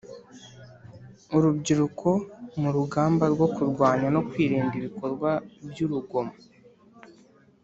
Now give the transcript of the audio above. Urubyiruko murugamba rwokurwanya no kwirinda ibikorwa byurugomo